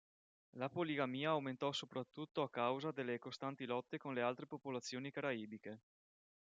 La poligamia aumentò soprattutto a causa delle costanti lotte con le altre popolazioni caraibiche.